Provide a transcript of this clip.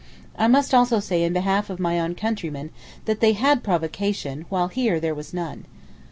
I must also say in behalf of my own countrymen that they had provocation while here there was none.